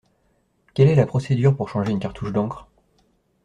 Quelle est la procédure pour changer une cartouche d'encre?